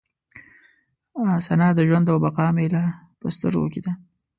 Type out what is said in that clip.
ثنا د ژوند او د بقا مې لا په سترګو کې ده.